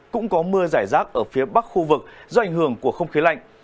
cũng có mưa giải rác ở phía bắc khu vực do ảnh hưởng của không khí lạnh